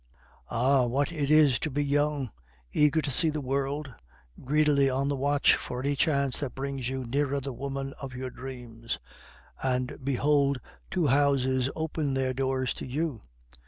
Ah, what it is to be young, eager to see the world, greedily on the watch for any chance that brings you nearer the woman of your dreams, and behold two houses open their doors to you!